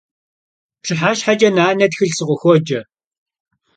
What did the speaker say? Pşıheşheç'e nane txılh sıkhıxuoce.